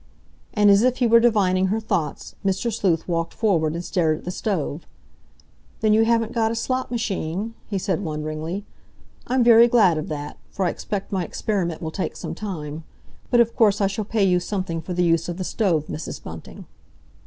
And as if he were divining her thoughts, Mr. Sleuth walked forward and stared at the stove. "Then you haven't got a slot machine?" he said wonderingly. "I'm very glad of that, for I expect my experiment will take some time. But, of course, I shall pay you something for the use of the stove, Mrs. Bunting."